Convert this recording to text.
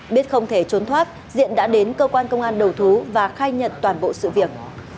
biết không thể trốn thoát diện đã đến cơ quan công an đầu thú và khai nhận toàn bộ sự việc